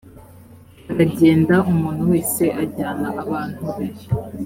baragenda umuntu wese ajyana abantu be